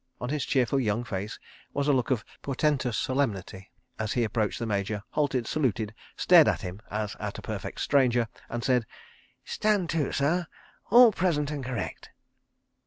On his cheerful young face was a look of portentous solemnity as he approached the Major, halted, saluted, stared at him as at a perfect stranger, and said: "Stand to, sir. All present and correct."